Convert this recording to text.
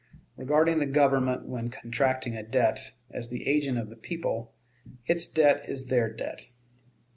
Regarding the Government when contracting a debt as the agent of the people, its debt is their debt.